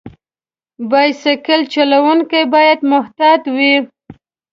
بایسکل چلونکي باید محتاط وي.